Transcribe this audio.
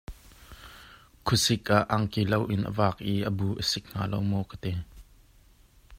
Khua sik ah angki loin a vak i a bu a sik hnga lo maw ka ti.